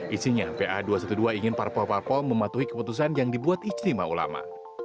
isinya pa dua ratus dua belas ingin parpol parpol mematuhi keputusan yang dibuat ijtima ulama